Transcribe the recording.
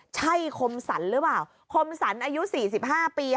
ใช่คมสรรหรือเปล่าคมสรรอายุ๔๕ปี